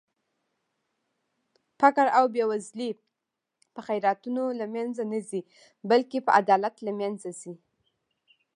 فقر او بې وزلي په خيراتونو لمنخه نه ځي بلکې په عدالت لمنځه ځي